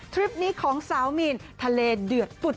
คลิปนี้ของสาวมีนทะเลเดือดฝุด